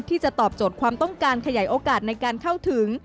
ที่จะตอบโจทย์ความต้องการขยายโอกาสในการเข้าถึง